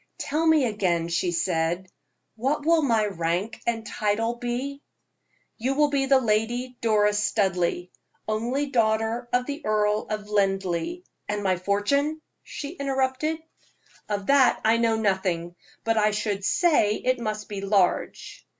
"Tell me again;" she said, "what will my rank and title be?" "You will be the Lady Doris Studleigh, only daughter of the Earl of Linleigh " "And my fortune?" she interrupted. "Of that I know nothing; but I should say it must be large.